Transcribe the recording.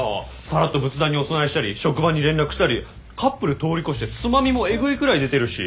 さらっと仏壇にお供えしたり職場に連絡したりカップル通り越して妻みもエグいくらい出てるし！